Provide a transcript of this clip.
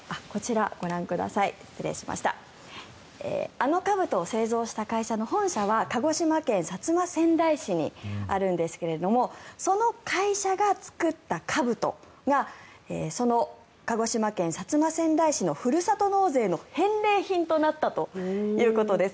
あのかぶとを製造した会社の本社は鹿児島県薩摩川内市にあるんですがその会社が作ったかぶとが鹿児島県薩摩川内市のふるさと納税の返礼品となったということです。